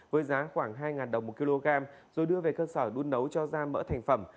với giá khoảng hai đồng một kg rồi đưa về cơ sở đun nấu cho da mỡ thành phẩm